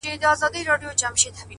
درته ښېرا كومه’